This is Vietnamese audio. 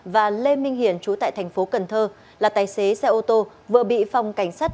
và lê minh hiển chú tại thành phố cần thơ là tài xế xe ô tô vừa bị phòng cảnh sát